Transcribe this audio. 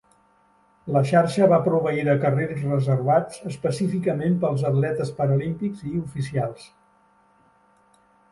La xarxa va proveir de carrils reservats específicament pels atletes paralímpics i oficials.